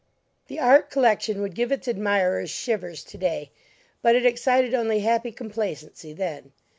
The art collection would give its admirers shivers to day, but it excited only happy complacency then.